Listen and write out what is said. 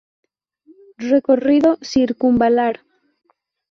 Recorrido Circunvalar